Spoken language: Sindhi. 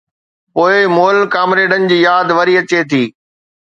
پوءِ مئل ڪامريڊن جي ياد وري اچي ٿي.